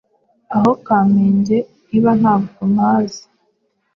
aho kamenge iba ntabwo mpazi